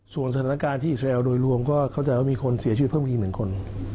ส่วนสถานการณ์ที่แอลโดยรวมก็เข้าใจว่ามีคนเสียชีวิตเพิ่มกี่หนึ่งคน